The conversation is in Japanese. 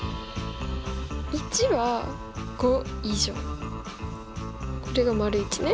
①は５以上これが①ね。